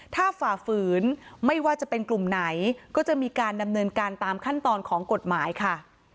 ถ้าฝ่าฝืนไม่ว่าจะเป็นกลุ่มไหนก็จะมีการดำเนินการตามขั้นตอนของกฎหมายค่ะ